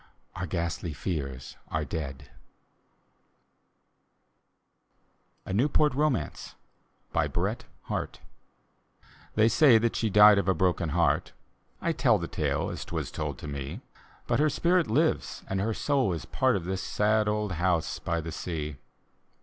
Our ghastly fears are dead. D,gt,, erihyGOOgle Tke Haunted Hour A NEWPORT ROMANCE : bret hartb They say that she died of a broken heart (I tell the tale as 'twas told to me) ; But her spirit lives, and her soul is part Of this sad old house by the sez.